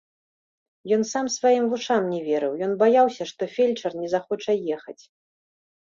Ён сам сваім вушам не верыў, ён баяўся, што фельчар не захоча ехаць.